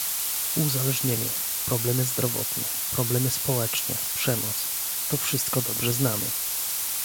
Uzależnienie, problemy zdrowotne, problemy społeczne, przemoc - to wszystko dobrze znamy